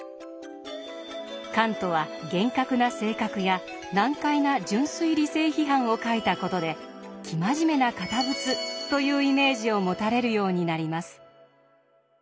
カントは厳格な性格や難解な「純粋理性批判」を書いた事で生真面目な堅物というイメージを持たれるようになります。